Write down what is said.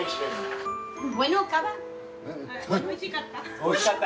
おいしかった？